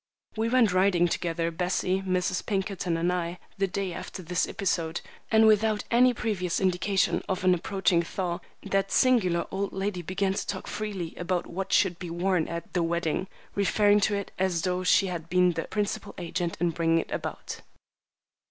We went riding together, Bessie, Mrs. Pinkerton, and I, the day after this episode; and without any previous indication of an approaching thaw, that singular old lady began to talk freely about what should be worn at "the wedding," referring to it as though she had been the principal agent in bringing it about.